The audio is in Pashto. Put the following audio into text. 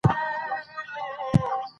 شعر د ټولنې فرهنګ ښیي.